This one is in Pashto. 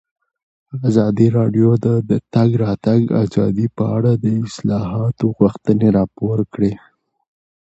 ازادي راډیو د د تګ راتګ ازادي په اړه د اصلاحاتو غوښتنې راپور کړې.